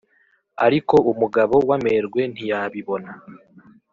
ariko umugabo w' amerwe ntiyabibona !